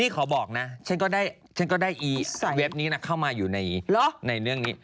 ขอบอกนะฉันก็ได้อีเว็บนี้เข้ามาอยู่ในเรื่องนี้